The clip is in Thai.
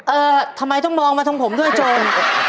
เออทำไมต้องมองมาทางผมด้วยโจร